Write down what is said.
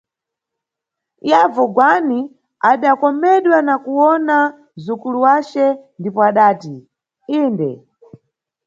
Yavu Gwani adakomedwa na kuwona m?zukulu wace ndipo adati: Inde.